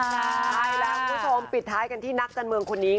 ใช่แล้วคุณผู้ชมปิดท้ายกันที่นักการเมืองคนนี้